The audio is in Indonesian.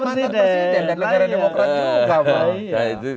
itu pas mantan presiden